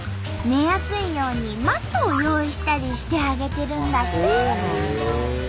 寝やすいようにマットを用意したりしてあげてるんだって！